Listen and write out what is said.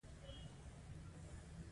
ګزارش باید نیټه او لاسلیک ولري.